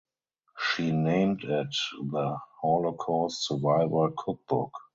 She named it The Holocaust Survivor Cookbook.